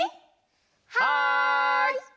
はい！